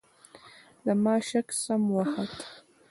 زما شک سم وخوت .